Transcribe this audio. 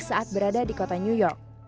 saat berada di kota new york